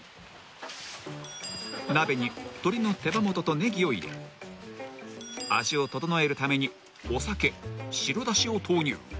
［鍋に鶏の手羽元とネギを入れ味を調えるためにお酒白だしを投入］